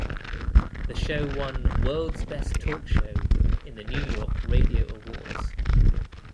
The show won World's Best Talk Show in the New York Radio Awards.